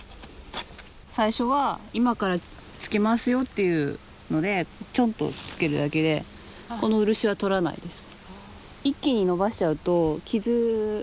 最初は今からつけますよっていうのでチョンとつけるだけでこの漆はとらないです。